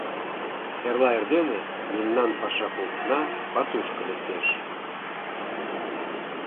Эрла эрдене мемнан паша полкна пасушко лектеш.